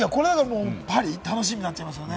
パリ、楽しみになっちゃいますね。